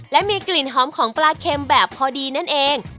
และมีกลิ่นหอมของปลาเค็มแบบพอดีนั่นเอง